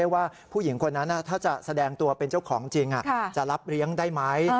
ว่าผู้หญิงคนนั้นถ้าจะแสดงตัวเป็นเจ้าของจริงจะรับเลี้ยงได้ไหม